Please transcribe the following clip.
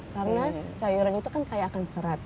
karena sayuran itu kan kayak akan serat